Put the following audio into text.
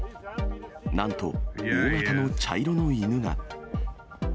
なんと、大型の茶色の犬が。